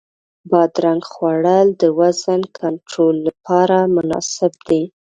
بادرنګ خوړل د وزن کنټرول لپاره مناسب دی.